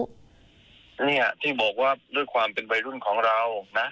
เนี่ยที่บอกว่าด้วยความเป็นวัยรุ่นของเรานะ